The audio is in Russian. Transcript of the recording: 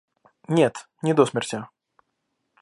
Нет, не до смерти